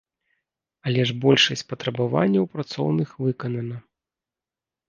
Але ж большасць патрабаванняў працоўных выканана.